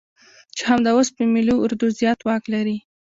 چې همدا اوس په ملي اردو زيات واک لري.